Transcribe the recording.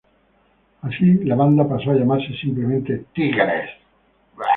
Así, la banda pasó a llamarse simplemente "Tigres".